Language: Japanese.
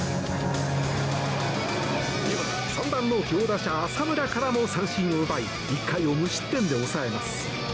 ３番の強打者浅村からも三振を奪い１回を無失点で抑えます。